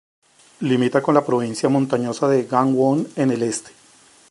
Limita con la provincia montañosa de Gangwon en el este.